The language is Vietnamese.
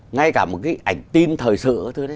ngay cả một cái ảnh tin thời sự của tôi đấy